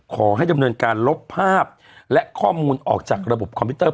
ขอให้ดำเนินการลบภาพและข้อมูลออกจากระบบคอมพิวเตอร์